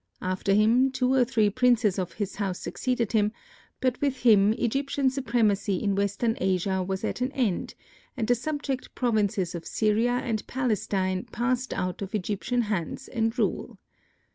After him, two or three princes of his house succeeded him, but with him Egyptian supremacy in western Asia was at an end and the subject provinces of Syria and Palestine passed out of Egyptian hands and rule.